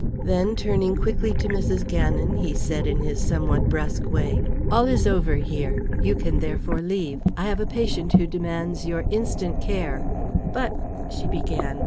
Then turning quickly to Mrs. Gannon, he said, in his somewhat brusque way: "All is over here; you can therefore leave. I have a patient who demands your instant care." "But " she began.